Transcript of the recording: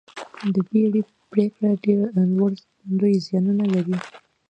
د بیړې پرېکړه ډېر لوی زیانونه لري.